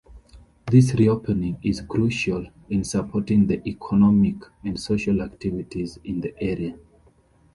This reopening is crucial in supporting the economic and social activities in the area.